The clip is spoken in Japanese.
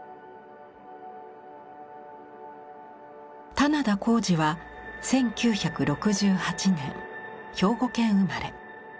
棚田康司は１９６８年兵庫県生まれ。